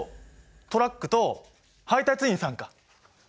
トラックと配達員さんか！